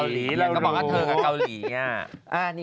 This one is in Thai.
ไม่